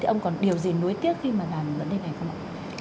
thì ông còn điều gì nối tiếc khi mà làm vấn đề này không ạ